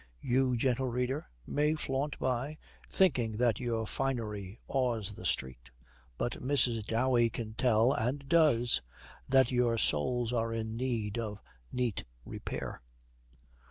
You, gentle reader, may flaunt by, thinking that your finery awes the street, but Mrs. Dowey can tell (and does) that your soles are in need of neat repair.